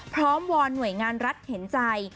วอนหน่วยงานรัฐเห็นใจ